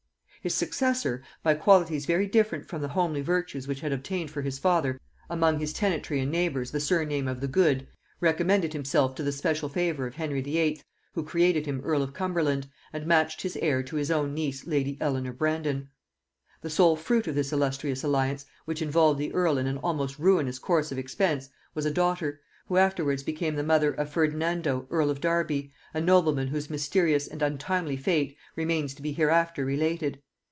His successor, by qualities very different from the homely virtues which had obtained for his father among his tenantry and neighbours the surname of the Good, recommended himself to the special favor of Henry VIII., who created him earl of Cumberland, and matched his heir to his own niece lady Eleanor Brandon. The sole fruit of this illustrious alliance, which involved the earl in an almost ruinous course of expense, was a daughter, who afterwards became the mother of Ferdinando earl of Derby, a nobleman whose mysterious and untimely fate remains to be hereafter related.